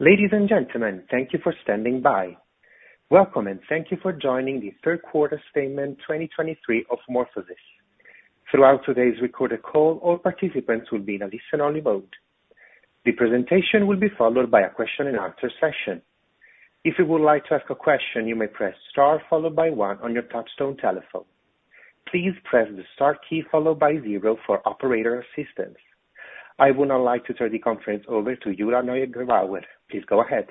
Ladies and gentlemen, thank you for standing by. Welcome, and thank you for joining the third quarter statement 2023 of MorphoSys. Throughout today's recorded call, all participants will be in a listen-only mode. The presentation will be followed by a question-and-answer session. If you would like to ask a question, you may press star followed by one on your touchtone telephone. Please press the star key followed by zero for operator assistance. I would now like to turn the conference over to Julia Neugebauer. Please go ahead.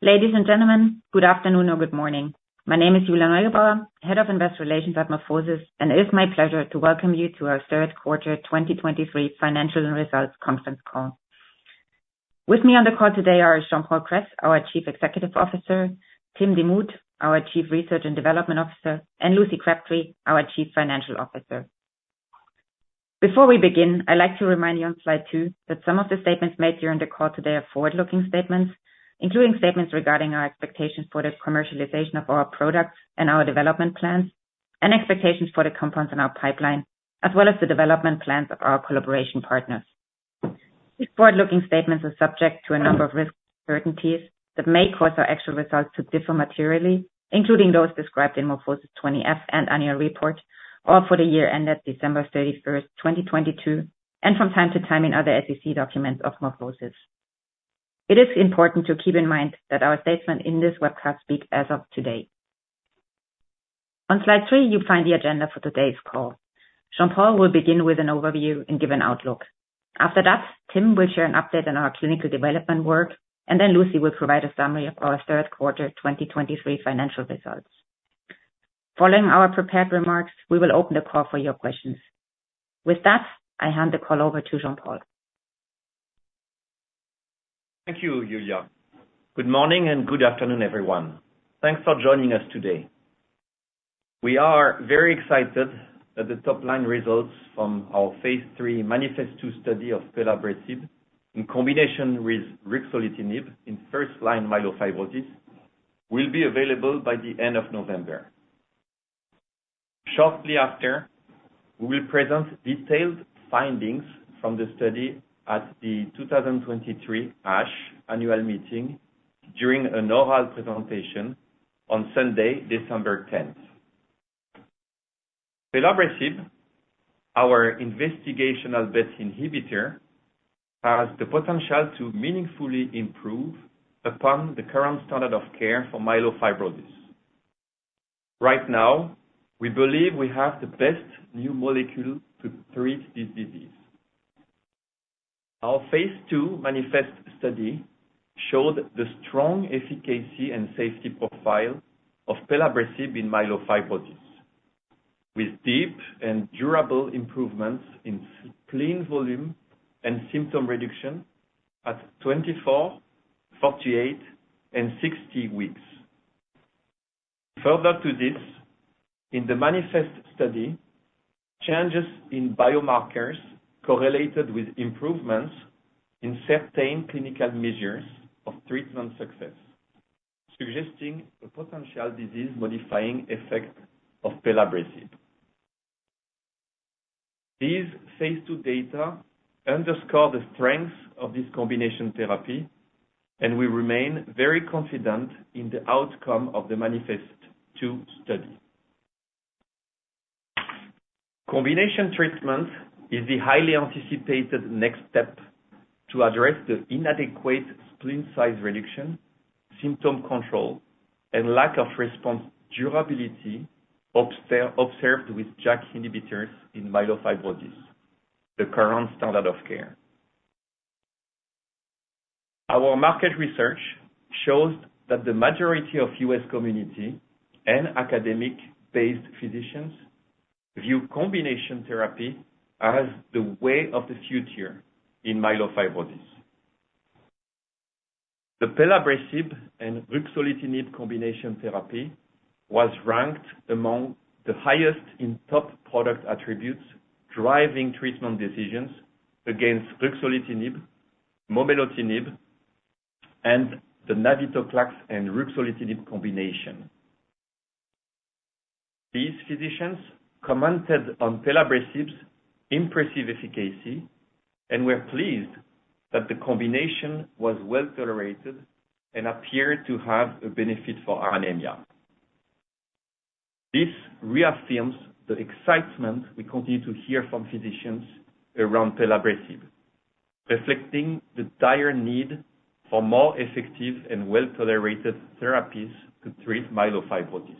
Ladies and gentlemen, good afternoon or good morning. My name is Julia Neugebauer, Head of Investor Relations at MorphoSys, and it is my pleasure to welcome you to our third quarter 2023 financial and results conference call. With me on the call today are Jean-Paul Kress, our Chief Executive Officer, Tim Demuth, our Chief Research and Development Officer, and Lucinda Crabtree, our Chief Financial Officer. Before we begin, I'd like to remind you on slide two that some of the statements made during the call today are forward-looking statements, including statements regarding our expectations for the commercialization of our products and our development plans, and expectations for the compounds in our pipeline, as well as the development plans of our collaboration partners. These forward-looking statements are subject to a number of risks, uncertainties that may cause our actual results to differ materially, including those described in MorphoSys 20-F and annual report for the year ended December 31st, 2022, and from time to time in other SEC documents of MorphoSys. It is important to keep in mind that our statement in this webcast speak as of today. On slide three, you find the agenda for today's call. Jean-Paul will begin with an overview and give an outlook. After that, Tim will share an update on our clinical development work, and then Lucy will provide a summary of our third quarter 2023 financial results. Following our prepared remarks, we will open the call for your questions. With that, I hand the call over to Jean-Paul. Thank you, Julia. Good morning and good afternoon, everyone. Thanks for joining us today. We are very excited that the top-line results from our phase III MANIFEST-2 study of pelabresib in combination with ruxolitinib in first-line myelofibrosis will be available by the end of November. Shortly after, we will present detailed findings from the study at the 2023 ASH Annual Meeting during an oral presentation on Sunday, December 10th. Pelabresib, our investigational BET inhibitor, has the potential to meaningfully improve upon the current standard of care for myelofibrosis. Right now, we believe we have the best new molecule to treat this disease. Our phase II MANIFEST study showed the strong efficacy and safety profile of pelabresib in myelofibrosis, with deep and durable improvements in spleen volume and symptom reduction at 24, 48, and 60 weeks. Further to this, in the MANIFEST study, changes in biomarkers correlated with improvements in certain clinical measures of treatment success, suggesting a potential disease-modifying effect of pelabresib. These phase II data underscore the strength of this combination therapy, and we remain very confident in the outcome of the MANIFEST-2 study. Combination treatment is the highly anticipated next step to address the inadequate spleen size reduction, symptom control, and lack of response durability observed with JAK inhibitors in myelofibrosis, the current standard of care. Our market research shows that the majority of U.S. community and academic-based physicians view combination therapy as the way of the future in myelofibrosis. The pelabresib and ruxolitinib combination therapy was ranked among the highest in top product attributes, driving treatment decisions against ruxolitinib, momelotinib, and the navitoclax and ruxolitinib combination. These physicians commented on pelabresib's impressive efficacy, and we're pleased that the combination was well-tolerated and appeared to have a benefit for anemia. This reaffirms the excitement we continue to hear from physicians around pelabresib, reflecting the dire need for more effective and well-tolerated therapies to treat myelofibrosis.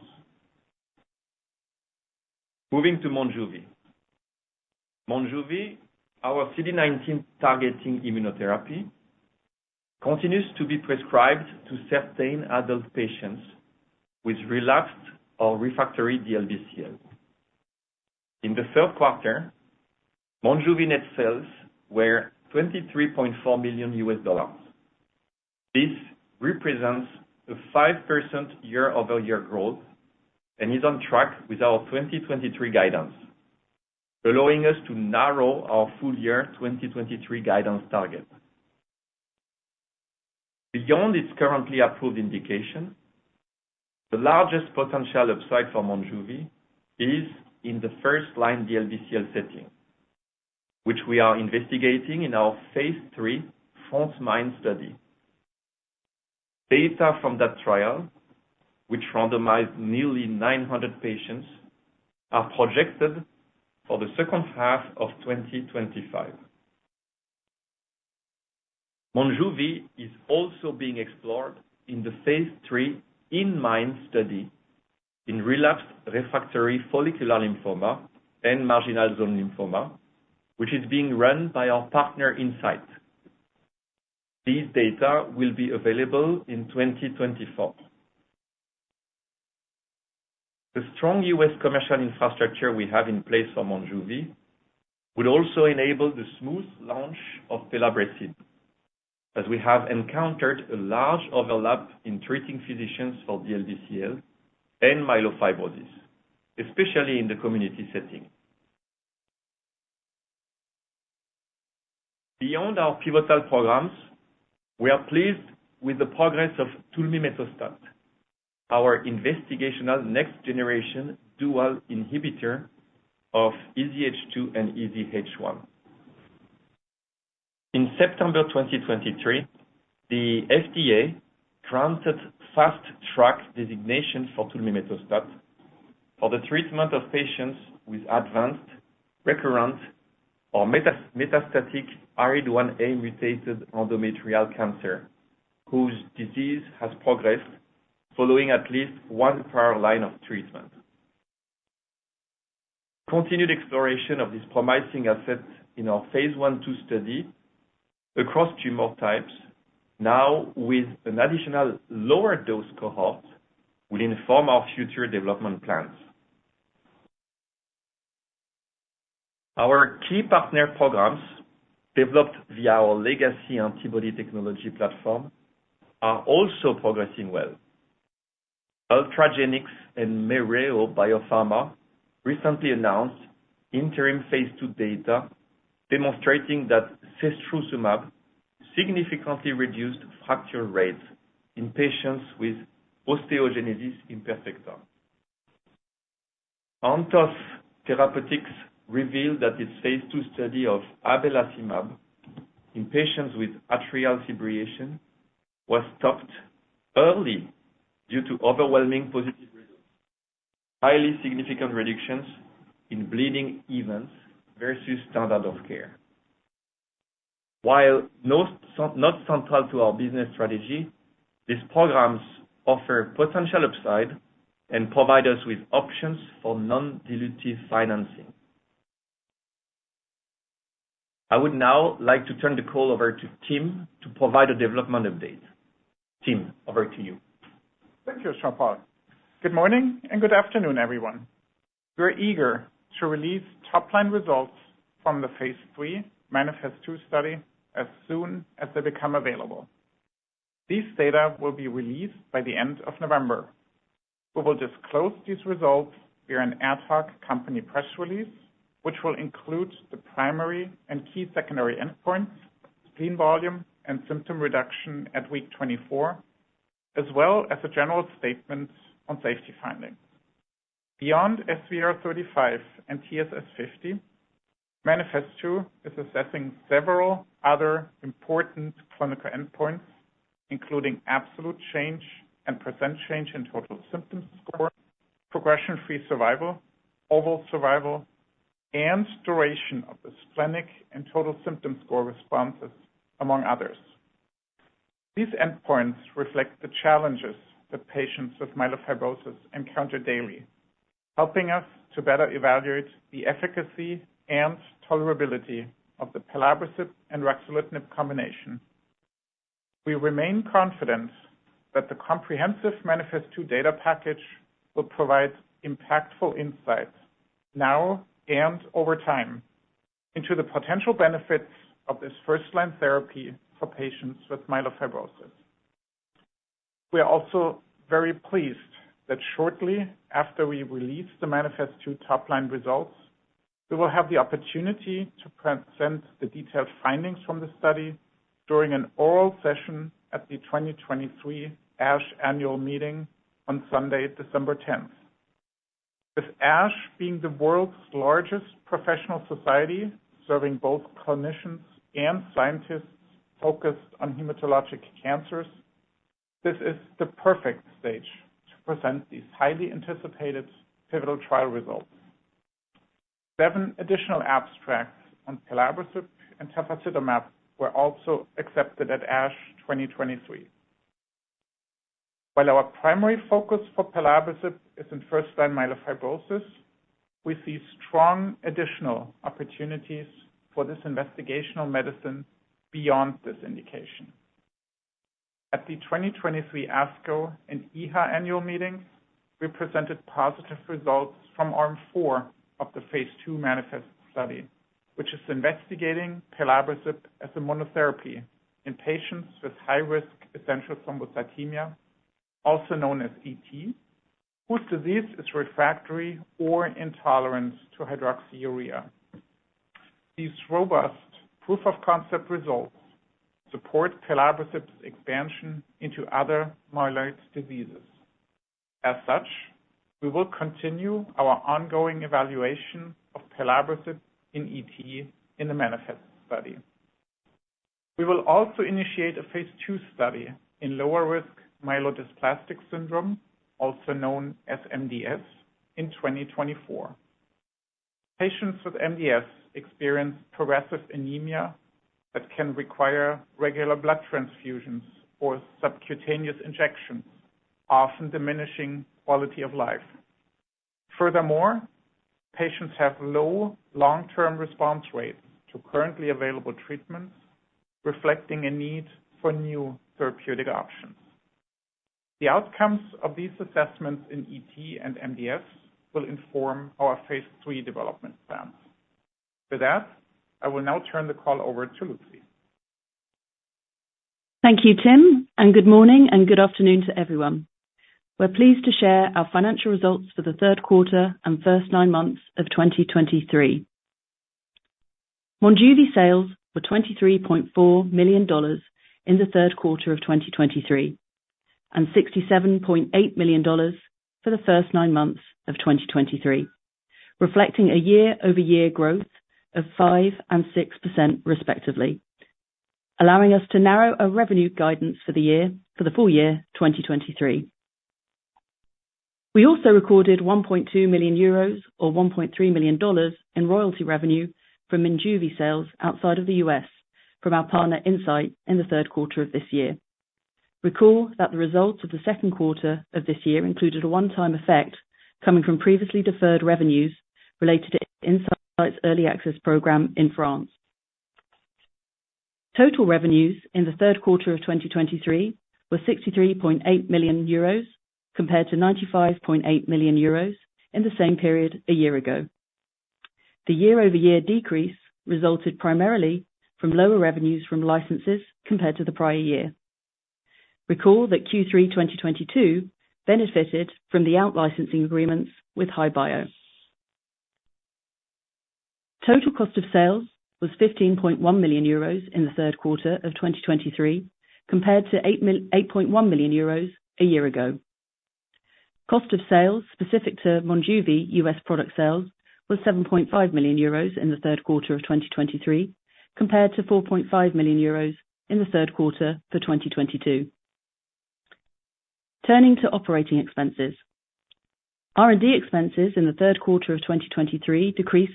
Moving to Monjuvi. Monjuvi, our CD19-targeting immunotherapy, continues to be prescribed to certain adult patients with relapsed or refractory DLBCL. In the third quarter, Monjuvi net sales were $23.4 million. This represents a 5% year-over-year growth and is on track with our 2023 guidance, allowing us to narrow our full year 2023 guidance target. Beyond its currently approved indication, the largest potential upside for Monjuvi is in the first-line DLBCL setting, which we are investigating in our phase III frontMIND study. Data from that trial, which randomized nearly 900 patients, are projected for the second half of 2025. Monjuvi is also being explored in the phase III inMIND study in relapsed refractory follicular lymphoma and marginal zone lymphoma, which is being run by our partner, Incyte. These data will be available in 2024. The strong U.S. commercial infrastructure we have in place for Monjuvi will also enable the smooth launch of pelabresib, as we have encountered a large overlap in treating physicians for DLBCL and myelofibrosis, especially in the community setting. Beyond our pivotal programs, we are pleased with the progress of tulmimetostat, our investigational next generation dual inhibitor of EZH2 and EZH1. In September 2023, the FDA granted fast track designation for tulmimetostat for the treatment of patients with advanced, recurrent, or metastatic ARID1A-mutated endometrial cancer, whose disease has progressed following at least one prior line of treatment. Continued exploration of this promising asset in our phase I/II study across tumor types, now with an additional lower dose cohort, will inform our future development plans. Our key partner programs, developed via our legacy antibody technology platform, are also progressing well. Ultragenyx and Mereo BioPharma recently announced interim phase II data demonstrating that setrusumab significantly reduced fracture rates in patients with osteogenesis imperfecta. Anthos Therapeutics revealed that its phase II study of abelacimab in patients with atrial fibrillation was stopped early due to overwhelming positive results, highly significant reductions in bleeding events versus standard of care. While no, not central to our business strategy, these programs offer potential upside and provide us with options for non-dilutive financing. I would now like to turn the call over to Tim to provide a development update. Tim, over to you. Thank you, Jean-Paul. Good morning and good afternoon, everyone. We are eager to release top-line results from the Phase III MANIFEST-2 study as soon as they become available. These data will be released by the end of November. We will disclose these results via an ad hoc company press release, which will include the primary and key secondary endpoints, spleen volume, and symptom reduction at week 24, as well as a general statement on safety findings. Beyond SVR35 and TSS50, MANIFEST-2 is assessing several other important clinical endpoints, including absolute change and percent change in total symptom score, progression-free survival, overall survival, and duration of the splenic and total symptom score responses, among others. These endpoints reflect the challenges that patients with myelofibrosis encounter daily, helping us to better evaluate the efficacy and tolerability of the pelabresib and ruxolitinib combination. We remain confident that the comprehensive MANIFEST-2 data package will provide impactful insights now and over time into the potential benefits of this first-line therapy for patients with myelofibrosis. We are also very pleased that shortly after we release the MANIFEST-2 top-line results, we will have the opportunity to present the detailed findings from the study during an oral session at the 2023 ASH Annual Meeting on Sunday, December tenth. With ASH being the world's largest professional society, serving both clinicians and scientists focused on hematologic cancers, this is the perfect stage to present these highly anticipated pivotal trial results. Seven additional abstracts on pelabresib and tafasitamab were also accepted at ASH 2023. While our primary focus for pelabresib is in first-line myelofibrosis, we see strong additional opportunities for this investigational medicine beyond this indication. At the 2023 ASCO and EHA annual meetings, we presented positive results from Arm 4 of the phase II MANIFEST study, which is investigating pelabresib as a monotherapy in patients with high risk essential thrombocythemia, also known as ET, whose disease is refractory or intolerant to hydroxyurea. These robust proof of concept results support pelabresib's expansion into other myeloid diseases. As such, we will continue our ongoing evaluation of pelabresib in ET in the MANIFEST study. We will also initiate a phase II study in lower risk myelodysplastic syndrome, also known as MDS, in 2024. Patients with MDS experience progressive anemia that can require regular blood transfusions or subcutaneous injections, often diminishing quality of life. Furthermore, patients have low long-term response rates to currently available treatments, reflecting a need for new therapeutic options. The outcomes of these assessments in ET and MDS will inform our phase III development plans. With that, I will now turn the call over to Lucy. Thank you, Tim, and good morning, and good afternoon to everyone. We're pleased to share our financial results for the third quarter and first nine months of 2023. Monjuvi sales were $23.4 million in the third quarter of 2023, and $67.8 million for the first nine months of 2023, reflecting a year-over-year growth of 5% and 6%, respectively, allowing us to narrow our revenue guidance for the year, for the full year 2023. We also recorded 1.2 million euros, or $1.3 million, in royalty revenue from Monjuvi sales outside of the US from our partner, Incyte, in the third quarter of this year. Recall that the results of the second quarter of this year included a one-time effect coming from previously deferred revenues related to Incyte's early access program in France. Total revenues in the third quarter of 2023 were 63.8 million euros, compared to 95.8 million euros in the same period a year ago. The year-over-year decrease resulted primarily from lower revenues from licenses compared to the prior year. Recall that Q3 2022 benefited from the out-licensing agreements with HI-Bio. Total cost of sales was 15.1 million euros in the third quarter of 2023, compared to eight point one million euros a year ago. Cost of sales specific to Monjuvi US product sales was 7.5 million euros in the third quarter of 2023, compared to 4.5 million euros in the third quarter of 2022. Turning to operating expenses. R&D expenses in the third quarter of 2023 decreased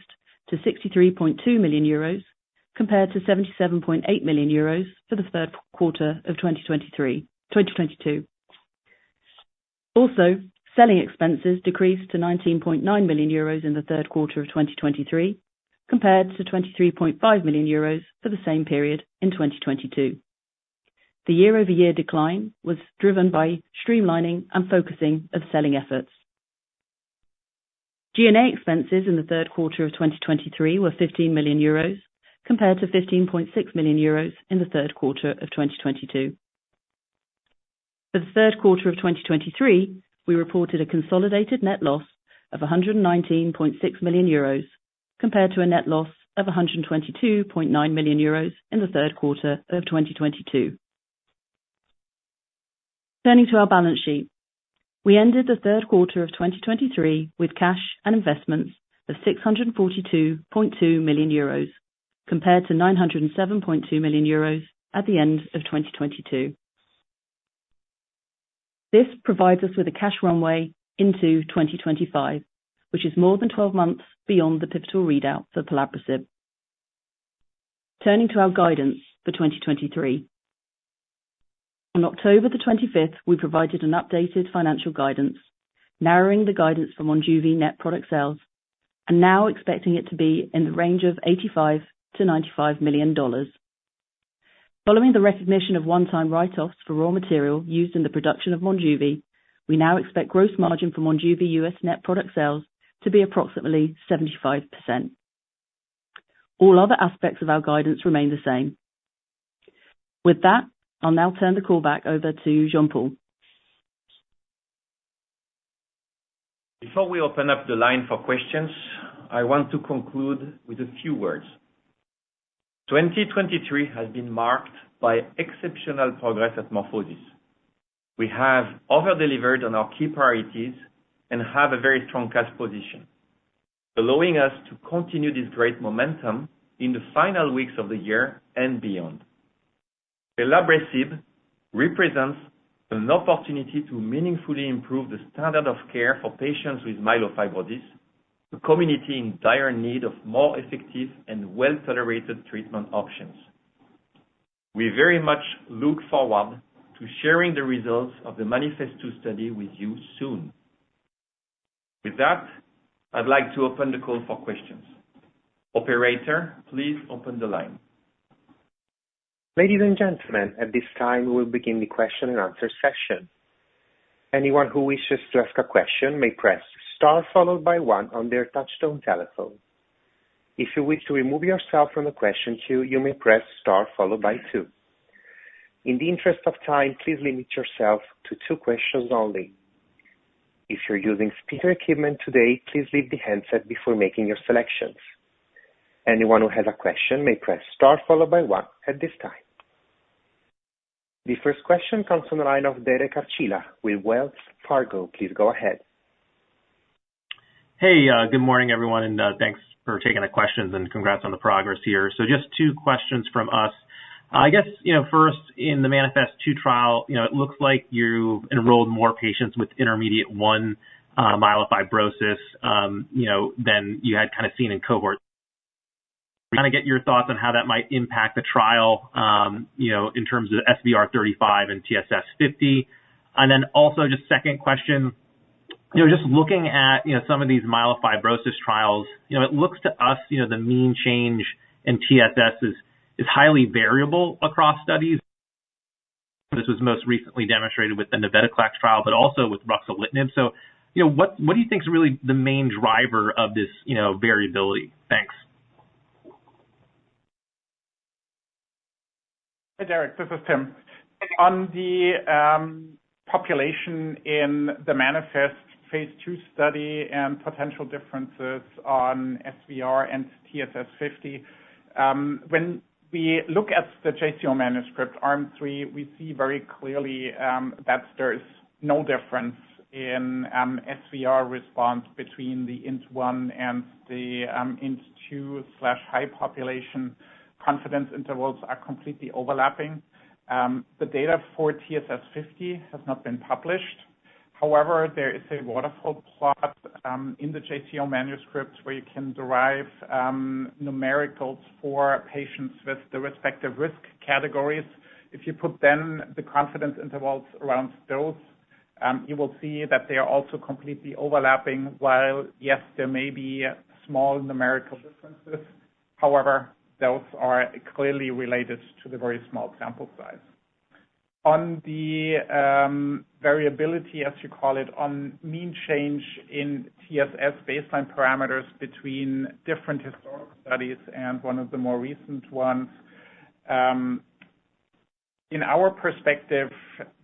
to 63.2 million euros, compared to 77.8 million euros for the third quarter of 2022. Also, selling expenses decreased to 19.9 million euros in the third quarter of 2023, compared to 23.5 million euros for the same period in 2022. The year-over-year decline was driven by streamlining and focusing of selling efforts. G&A expenses in the third quarter of 2023 were 15 million euros, compared to 15.6 million euros in the third quarter of 2022. For the third quarter of 2023, we reported a consolidated net loss of 119.6 million euros, compared to a net loss of 122.9 million euros in the third quarter of 2022. Turning to our balance sheet. We ended the third quarter of 2023 with cash and investments of 642.2 million euros, compared to 907.2 million euros at the end of 2022. This provides us with a cash runway into 2025, which is more than 12 months beyond the pivotal readout for pelabresib. Turning to our guidance for 2023. On October the 25th, we provided an updated financial guidance, narrowing the guidance from Monjuvi net product sales, and now expecting it to be in the range of $85 million-$95 million. Following the recognition of one-time write-offs for raw material used in the production of Monjuvi, we now expect gross margin for Monjuvi U.S. net product sales to be approximately 75%. All other aspects of our guidance remain the same. With that, I'll now turn the call back over to Jean-Paul. Before we open up the line for questions, I want to conclude with a few words. 2023 has been marked by exceptional progress at MorphoSys. We have over-delivered on our key priorities and have a very strong cash position, allowing us to continue this great momentum in the final weeks of the year and beyond. Pelabresib represents an opportunity to meaningfully improve the standard of care for patients with myelofibrosis, a community in dire need of more effective and well-tolerated treatment options. We very much look forward to sharing the results of the MANIFEST-2 study with you soon. With that, I'd like to open the call for questions. Operator, please open the line. Ladies and gentlemen, at this time, we will begin the question-and-answer session. Anyone who wishes to ask a question may press star followed by one on their touchtone telephone. If you wish to remove yourself from the question queue, you may press star followed by two. In the interest of time, please limit yourself to two questions only. If you're using speaker equipment today, please leave the handset before making your selections. Anyone who has a question may press star followed by one at this time. The first question comes from the line of Derek Archila with Wells Fargo. Please go ahead. Hey, good morning, everyone, and thanks for taking the questions and congrats on the progress here. So just two questions from us. I guess, you know, first, in the MANIFEST-2 trial, you know, it looks like you enrolled more patients with intermediate-1 myelofibrosis, you know, than you had kind of seen in cohort. Can I get your thoughts on how that might impact the trial, you know, in terms of SVR35 and TSS50? And then also just second question, you know, just looking at, you know, some of these myelofibrosis trials, you know, it looks to us, you know, the mean change in TSS is highly variable across studies. This was most recently demonstrated with the navitoclax trial, but also with ruxolitinib. So, you know, what do you think is really the main driver of this, you know, variability? Thanks. Hi, Derek, this is Tim. On the population in the MANIFEST phase II study and potential differences on SVR and TSS 50, when we look at the JCO manuscript, arm 3, we see very clearly that there is no difference in SVR response between the INT-1 and the INT-2/high population. Confidence intervals are completely overlapping. The data for TSS 50 has not been published. However, there is a waterfall plot in the JCO manuscript, where you can derive numericals for patients with the respective risk categories. If you put then the confidence intervals around those, you will see that they are also completely overlapping, while, yes, there may be small numerical differences. However, those are clearly related to the very small sample size. On the variability, as you call it, on mean change in TSS baseline parameters between different historical studies and one of the more recent ones, in our perspective,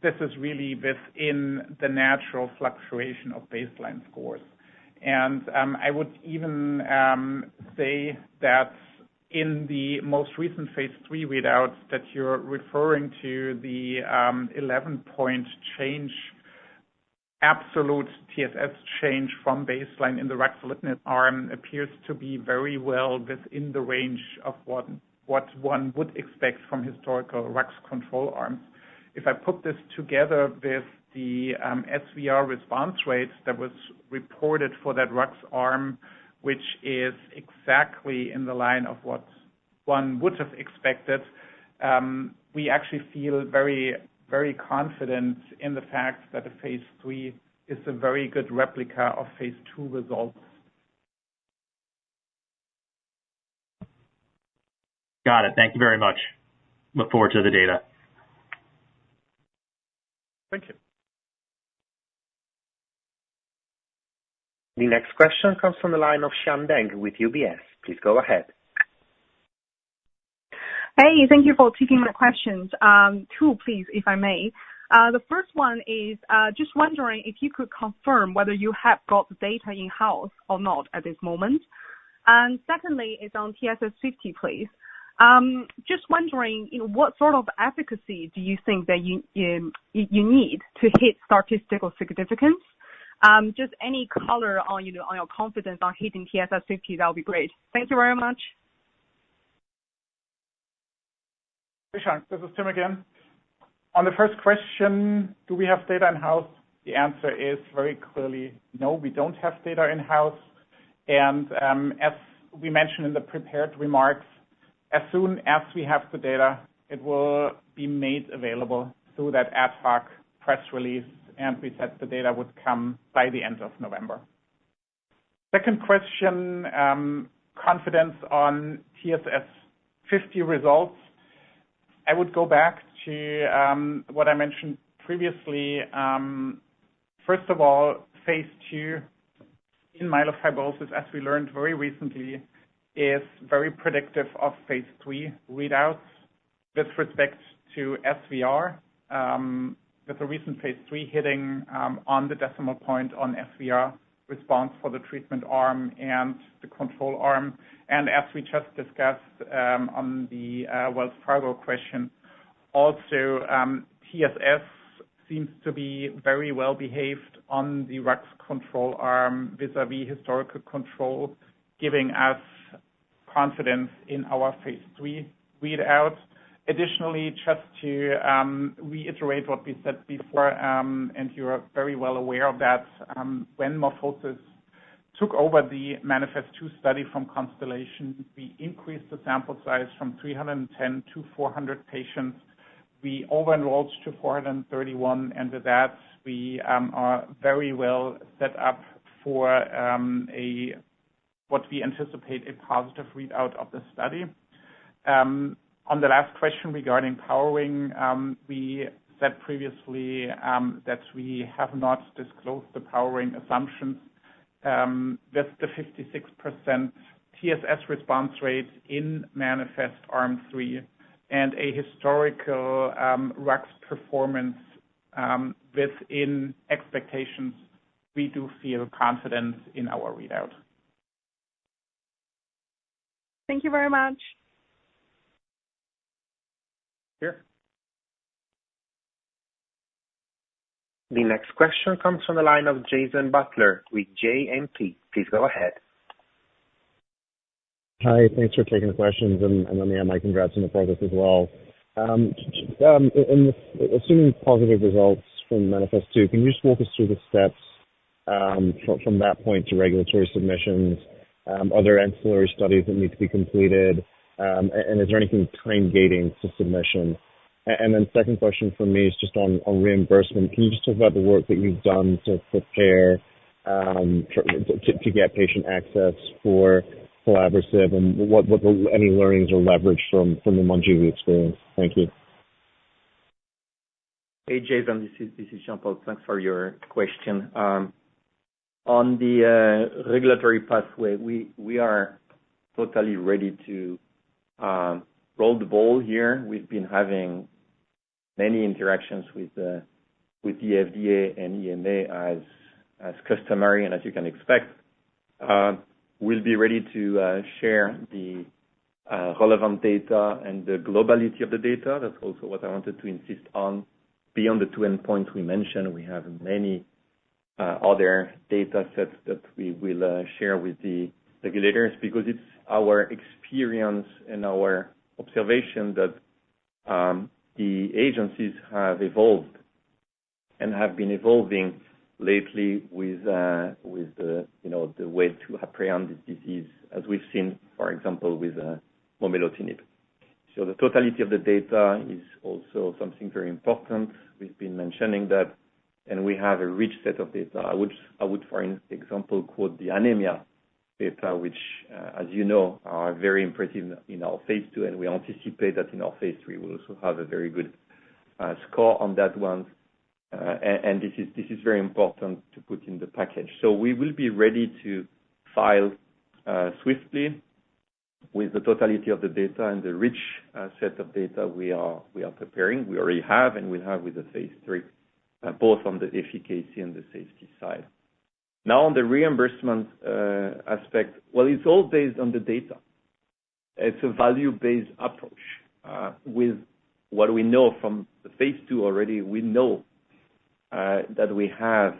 this is really within the natural fluctuation of baseline scores. I would even say that in the most recent phase III readouts that you're referring to, the 11-point change, absolute TSS change from baseline in the ruxolitinib arm appears to be very well within the range of what one would expect from historical RUX control arm. If I put this together with the SVR response rate that was reported for that RUX arm, which is exactly in the line of what one would have expected, we actually feel very, very confident in the fact that the phase III is a very good replica of phase II results. Got it. Thank you very much. Look forward to the data. Thank you. The next question comes from the line of Xian Deng with UBS. Please go ahead. Hey, thank you for taking my questions. Two, please, if I may. The first one is, just wondering if you could confirm whether you have got the data in-house or not at this moment. And secondly, is on TSS 50, please. Just wondering, you know, what sort of efficacy do you think that you need to hit statistical significance? Just any color on, you know, on your confidence on hitting TSS 50, that would be great. Thank you very much. Hey, Xian, this is Tim again. On the first question, do we have data in-house? The answer is very clearly no, we don't have data in-house. As we mentioned in the prepared remarks, as soon as we have the data, it will be made available through that ad hoc press release, and we said the data would come by the end of November. Second question, confidence on TSS50 results. I would go back to what I mentioned previously. First of all, phase II in myelofibrosis, as we learned very recently, is very predictive of phase III readouts with respect to SVR, with the recent phase III hitting on the decimal point on SVR response for the treatment arm and the control arm. And as we just discussed, on the Wells Fargo question, also, TSS seems to be very well behaved on the RUX control arm vis-à-vis historical control, giving us confidence in our phase III readout. Additionally, just to reiterate what we said before, and you are very well aware of that, when MorphoSys took over the MANIFEST-2 study from Constellation, we increased the sample size from 310-400 patients. We over-enrolled to 431, and with that, we are very well set up for what we anticipate, a positive readout of the study. On the last question regarding powering, we said previously that we have not disclosed the powering assumptions. With the 56% TSS response rate in MANIFEST Arm 3 and a historical RUX performance within expectations, we do feel confident in our readout. Thank you very much. Sure. The next question comes from the line of Jason Butler with JMP. Please go ahead. Hi, thanks for taking the questions, and let me add my congrats on the progress as well. In assuming positive results from MANIFEST-2, can you just walk us through the steps, from that point to regulatory submissions, other ancillary studies that need to be completed, and is there anything time-gating to submission? And then second question for me is just on reimbursement. Can you just talk about the work that you've done to prepare, to get patient access for pelabresib, and what were any learnings or leverage from the Monjuvi experience? Thank you. Hey, Jason, this is Jean-Paul. Thanks for your question. On the regulatory pathway, we are totally ready to roll the ball here. We've been having many interactions with the FDA and EMA as customary, and as you can expect. We'll be ready to share the relevant data and the globality of the data. That's also what I wanted to insist on. Beyond the two endpoints we mentioned, we have many other data sets that we will share with the regulators, because it's our experience and our observation that the agencies have evolved and have been evolving lately with the, you know, the way to apprehend this disease, as we've seen, for example, with momelotinib. So the totality of the data is also something very important. We've been mentioning that, and we have a rich set of data. I would, for example, quote the anemia data, which, as you know, are very impressive in our phase II, and we anticipate that in our phase III, we'll also have a very good score on that one. And this is very important to put in the package. So we will be ready to file swiftly with the totality of the data and the rich set of data we are preparing. We already have, and we have with the phase III both on the efficacy and the safety side. Now, on the reimbursement aspect, well, it's all based on the data. It's a value-based approach. With what we know from the phase II already, we know that we have,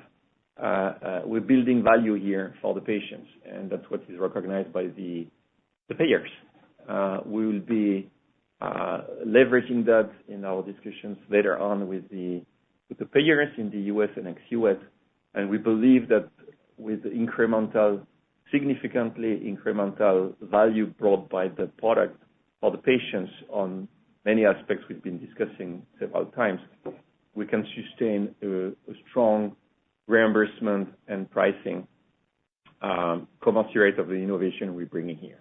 we're building value here for the patients, and that's what is recognized by the payers. We will be leveraging that in our discussions later on with the payers in the U.S. and ex-U.S., and we believe that with incremental, significantly incremental value brought by the product for the patients on many aspects we've been discussing several times, we can sustain a strong reimbursement and pricing, commensurate of the innovation we're bringing here.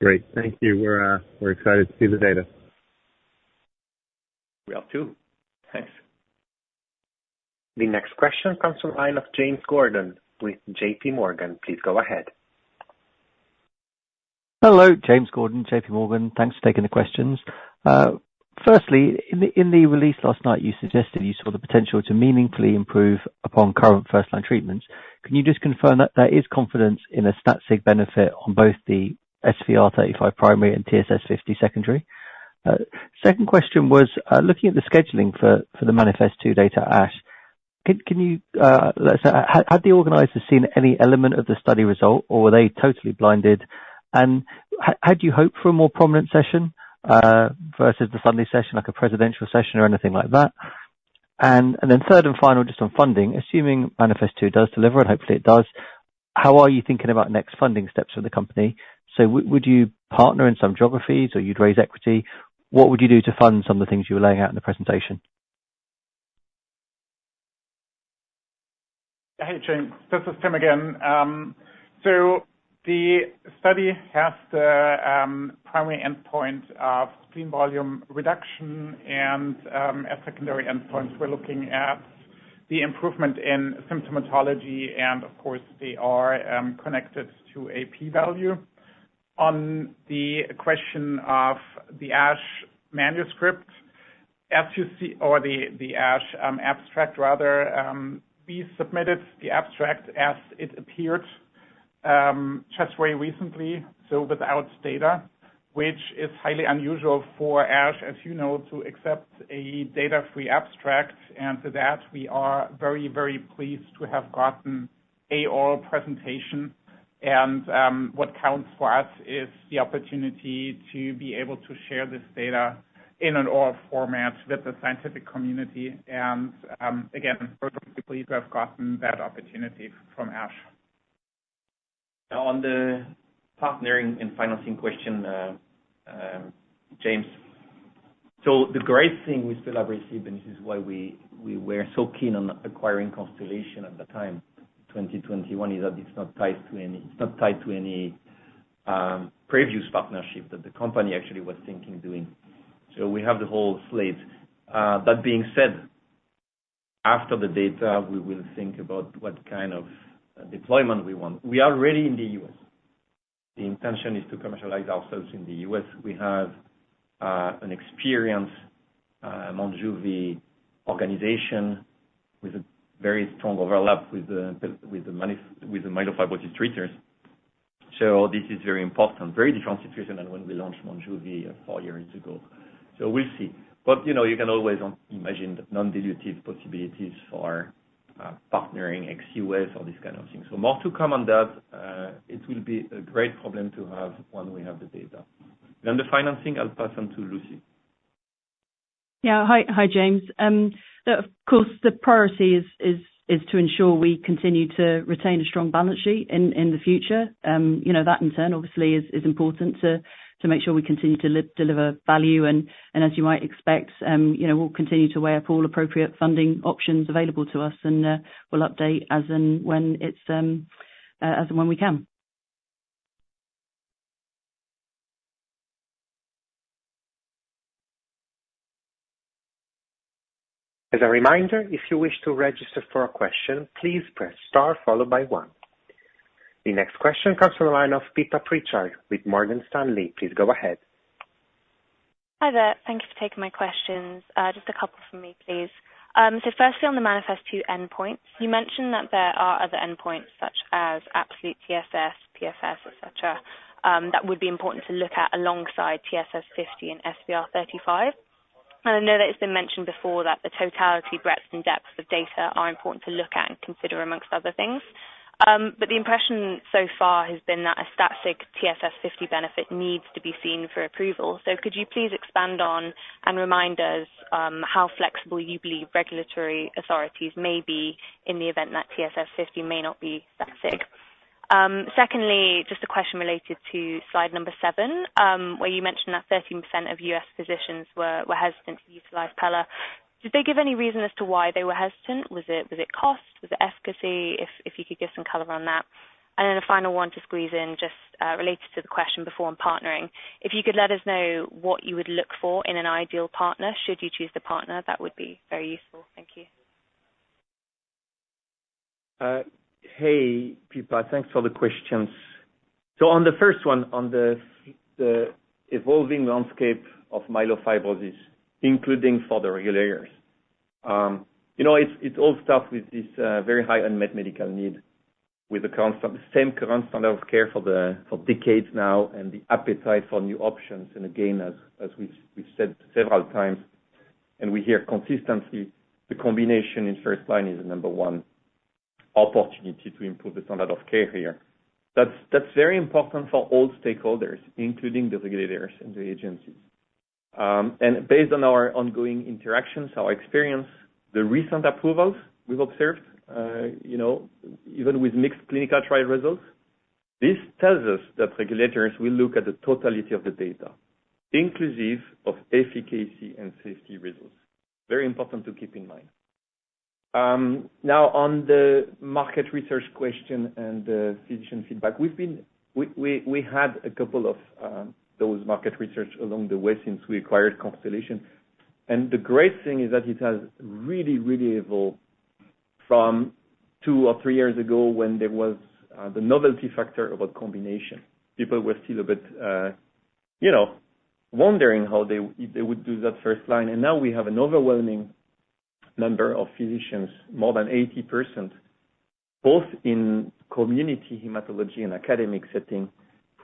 Great. Thank you. We're excited to see the data. We are, too. Thanks. The next question comes from the line of James Gordon with JPMorgan. Please go ahead. Hello, James Gordon, JPMorgan. Thanks for taking the questions. Firstly, in the release last night, you suggested you saw the potential to meaningfully improve upon current first-line treatments. Can you just confirm that there is confidence in a stat sig benefit on both the SVR35 primary and TSS50 secondary? Second question was, looking at the scheduling for the MANIFEST-2 data ASH, can you, let's say, had the organizers seen any element of the study result, or were they totally blinded? And how do you hope for a more prominent session versus the Sunday session, like a presidential session or anything like that? And then third and final, just on funding, assuming MANIFEST-2 does deliver, and hopefully it does, how are you thinking about next funding steps for the company? Would you partner in some geographies or you'd raise equity? What would you do to fund some of the things you were laying out in the presentation? Hey, James, this is Tim again. So the study has the primary endpoint of spleen volume reduction and at secondary endpoints, we're looking at the improvement in symptomatology, and of course, they are connected to a p-value. On the question of the ASH manuscript, as you see or the ASH abstract rather, we submitted the abstract as it appeared just very recently, so without data, which is highly unusual for ASH, as you know, to accept a data-free abstract. And to that, we are very, very pleased to have gotten an oral presentation. And what counts for us is the opportunity to be able to share this data in an oral format with the scientific community. And again, we're pleased to have gotten that opportunity from ASH. On the partnering and financing question, James, so the great thing with collaborative, and this is why we were so keen on acquiring Constellation at the time, 2021, is that it's not tied to any previous partnership that the company actually was thinking doing. So we have the whole slate. That being said, after the data, we will think about what kind of deployment we want. We are ready in the U.S. The intention is to commercialize ourselves in the U.S. We have an experienced Monjuvi organization with a very strong overlap with the myelofibrosis treaters. So this is very important. Very different situation than when we launched Monjuvi four years ago. So we'll see. But, you know, you can always imagine the non-dilutive possibilities for partnering ex-U.S. or this kind of thing. So more to come on that. It will be a great problem to have when we have the data. Then the financing, I'll pass on to Lucy. Yeah. Hi, James. Of course, the priority is to ensure we continue to retain a strong balance sheet in the future. You know, that in turn, obviously, is important to make sure we continue to deliver value. And as you might expect, you know, we'll continue to weigh up all appropriate funding options available to us, and we'll update as and when we can. As a reminder, if you wish to register for a question, please press star followed by one. The next question comes from the line of Pippa Pritchard with Morgan Stanley. Please go ahead. Hi there. Thank you for taking my questions. Just a couple from me, please. So firstly, on the MANIFEST-2 endpoints, you mentioned that there are other endpoints such as absolute TSS, PFS, et cetera, that would be important to look at alongside TSS 50 and SVR 35. And I know that it's been mentioned before that the totality, breadth and depth of data are important to look at and consider amongst other things. But the impression so far has been that a static TSS 50 benefit needs to be seen for approval. So could you please expand on and remind us how flexible you believe regulatory authorities may be in the event that TSS 50 may not be static? Secondly, just a question related to slide number 7, where you mentioned that 13% of U.S. physicians were hesitant to utilize pelabresib. Did they give any reason as to why they were hesitant? Was it, was it cost? Was it efficacy? If, if you could give some color on that. And then a final one to squeeze in, just, related to the question before on partnering. If you could let us know what you would look for in an ideal partner, should you choose to partner, that would be very useful. Thank you. Hey, Pippa, thanks for the questions. So on the first one, on the evolving landscape of myelofibrosis, including for the regulators. You know, it's all start with this very high unmet medical need with the current standard, same current standard of care for decades now and the appetite for new options. And again, as we've said several times, and we hear consistency, the combination in first line is the number one opportunity to improve the standard of care here. That's very important for all stakeholders, including the regulators and the agencies. And based on our ongoing interactions, our experience, the recent approvals we've observed, you know, even with mixed clinical trial results, this tells us that regulators will look at the totality of the data, inclusive of efficacy and safety results. Very important to keep in mind. Now, on the market research question and the physician feedback. We've been—we had a couple of those market research along the way since we acquired Constellation, and the great thing is that it has really, really evolved from two or three years ago when there was the novelty factor about combination. People were still a bit, you know, wondering how they would do that first line. And now we have an overwhelming number of physicians, more than 80%, both in community hematology and academic setting,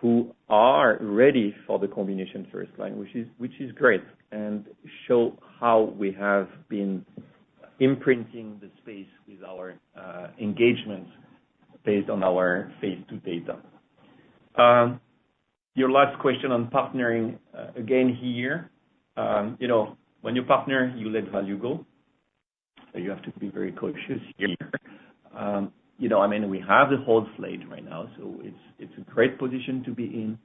who are ready for the combination first line, which is great, and show how we have been imprinting the space with our engagement based on our phase II data. Your last question on partnering. Again, here, you know, when you partner, you let value go, so you have to be very cautious here. You know, I mean, we have the whole slate right now, so it's, it's a great position to be in.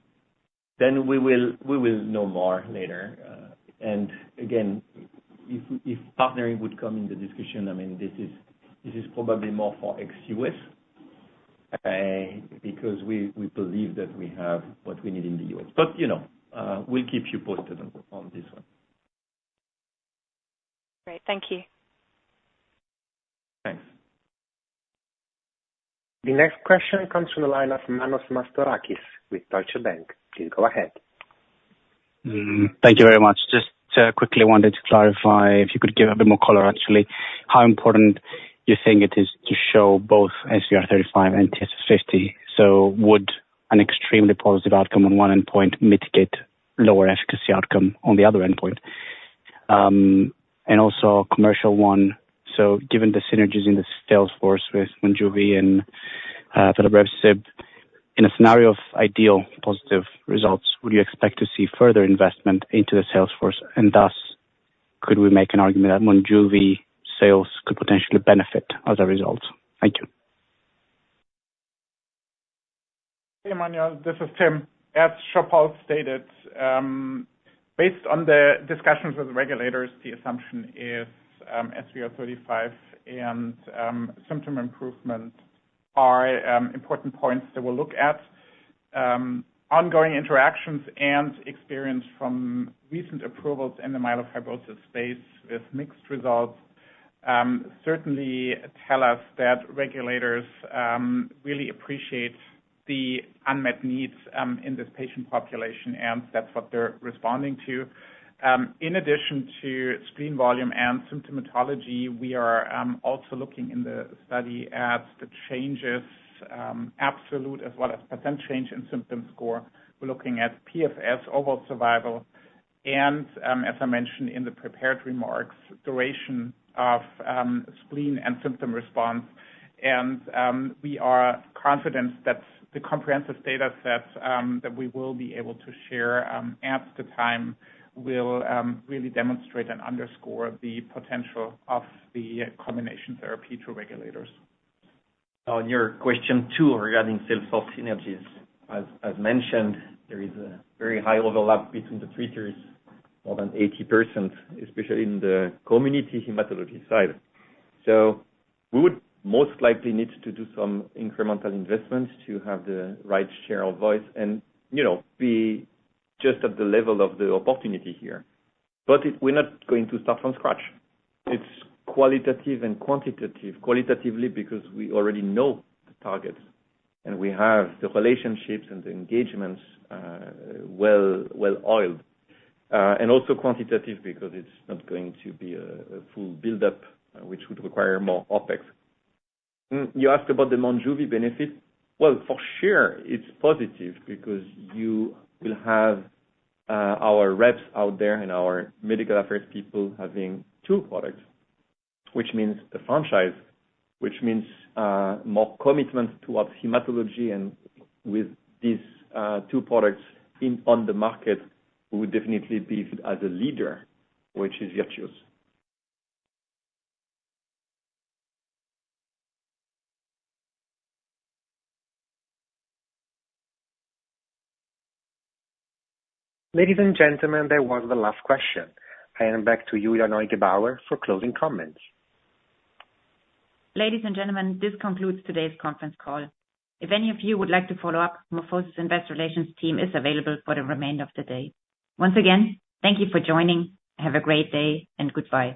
Then we will, we will know more later. And again, if, if partnering would come in the discussion, I mean, this is, this is probably more for ex-U.S., because we, we believe that we have what we need in the U.S. But, you know, we'll keep you posted on, on this one. Great. Thank you. Thanks. The next question comes from the line of Manos Mastorakis with Deutsche Bank. Please go ahead. Thank you very much. Just, quickly wanted to clarify, if you could give a bit more color, actually, how important you think it is to show both SVR 35 and TSS 50. So would an extremely positive outcome on one endpoint mitigate lower efficacy outcome on the other endpoint? And also a commercial one: So given the synergies in the salesforce with Monjuvi and pelabresib, in a scenario of ideal positive results, would you expect to see further investment into the salesforce? And thus, could we make an argument that Monjuvi sales could potentially benefit as a result? Thank you. Hey, Manos, this is Tim. As Jean-Paul stated, based on the discussions with the regulators, the assumption is, SVR35 and symptom improvement are important points they will look at. Ongoing interactions and experience from recent approvals in the myelofibrosis space with mixed results certainly tell us that regulators really appreciate the unmet needs in this patient population, and that's what they're responding to. In addition to spleen volume and symptomatology, we are also looking in the study at the changes, absolute as well as percent change in symptom score. We're looking at PFS, overall survival, and, as I mentioned in the prepared remarks, duration of spleen and symptom response. We are confident that the comprehensive data sets that we will be able to share at the time will really demonstrate and underscore the potential of the combination therapy to regulators. On your question, too, regarding sales force synergies. As mentioned, there is a very high overlap between the treaters, more than 80%, especially in the community hematology side. So we would most likely need to do some incremental investments to have the right share of voice and, you know, be just at the level of the opportunity here. But we're not going to start from scratch. It's qualitative and quantitative. Qualitatively, because we already know the targets, and we have the relationships and the engagements, well-oiled. And also quantitative, because it's not going to be a full buildup, which would require more OpEx. You asked about the Monjuvi benefit. Well, for sure, it's positive because you will have, our reps out there and our medical affairs people having two products, which means a franchise, which means, more commitment towards hematology. With these two products in on the market, we would definitely be as a leader, which is virtuous. Ladies and gentlemen, that was the last question. Handing back to you, Neugebauer, for closing comments. Ladies and gentlemen, this concludes today's conference call. If any of you would like to follow up, MorphoSys Investor Relations team is available for the remainder of the day. Once again, thank you for joining, have a great day, and goodbye.